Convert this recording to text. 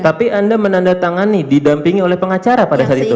tapi anda menandatangani didampingi oleh pengacara pada saat itu